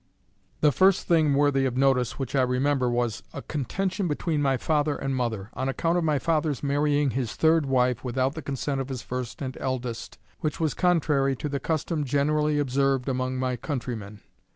The first thing worthy of notice which I remember was, a contention between my father and mother, on account of my father's marrying his third wife without the consent of his first and eldest, which was contrary to the custom generally observed among my countrymen.